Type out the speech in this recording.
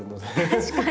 確かに。